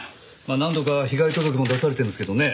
何度か被害届も出されてるんですけどね